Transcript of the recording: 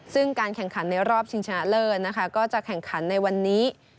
ซึ่งการแข่งขันในรอบชิงชนะเลิศนะคะก็จะแข่งขันในวันนี้